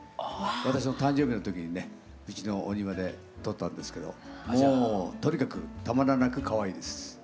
私の誕生日の時にねうちのお庭で撮ったんですけどもうとにかくたまらなくかわいいです。